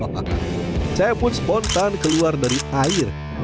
saya pun spontan keluar dari air